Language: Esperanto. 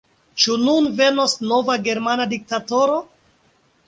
Ĉu nun venos nova germana diktatoro?